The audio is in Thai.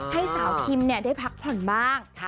ให้สาวคิมได้พักผ่อนบ้าง